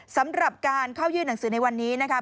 สำหรับการเข้ายื่นหนังสือในวันนี้นะคะ